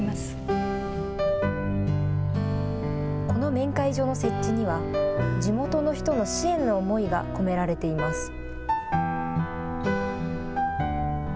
この面会所の設置には、地元の人の支援の思いが込められています。